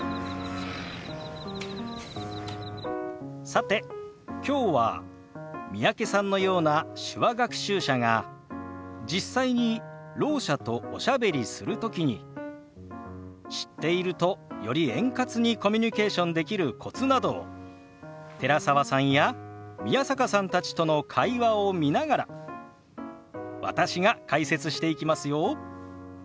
さてきょうは三宅さんのような手話学習者が実際にろう者とおしゃべりする時に知っているとより円滑にコミュニケーションできるコツなどを寺澤さんや宮坂さんたちとの会話を見ながら私が解説していきますよ。